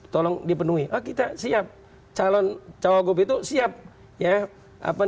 tolong dipenuhi kita siap calon cowok cowok itu siap